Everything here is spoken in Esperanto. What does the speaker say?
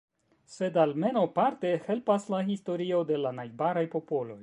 Sed, almenaŭ parte, helpas la historio de la najbaraj popoloj.